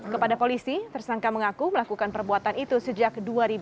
kepada polisi tersangka mengaku melakukan perbuatan itu sejak dua ribu